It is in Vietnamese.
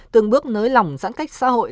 từng bước nới lỏng giãn cách xã hội